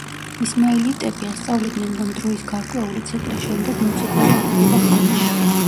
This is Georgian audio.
ისმაილიტები ასწავლიდნენ, რომ დროის გარკვეული ციკლის შემდეგ მოციქული აღდგება ხალხში.